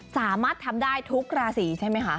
สามารถทำได้ทุกราศีใช่ไหมคะ